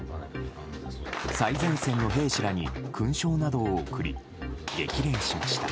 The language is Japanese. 最前線の兵士らに勲章などを贈り激励しました。